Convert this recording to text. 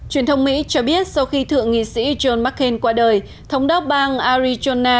truyền thông mỹ cho biết sau khi thượng nghị sĩ john mccain qua đời thống đốc bang arizona